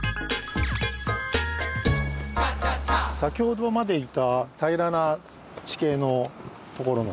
先ほどまでいた平らな地形の所の。